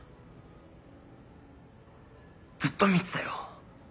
ずっと見てたよ。